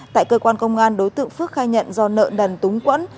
tại cơ quan công an đối tượng phước khai nhận do nợ nần túng quẫn